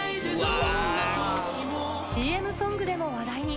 ＣＭソングでも話題に。